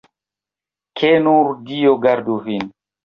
Ke nur Dio gardu vin!